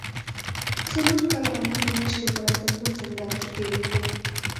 څلور کاله او نهه مياشتې په رنتنبور زندان کې تېرې کړي